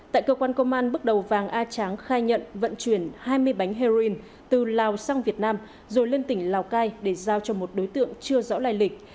tại cơ quan công an bước đầu vàng a tráng khai nhận vận chuyển hai mươi bánh heroin từ lào sang việt nam rồi lên tỉnh lào cai để giao cho một đối tượng chưa rõ lai lịch